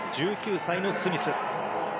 １９歳のスミス。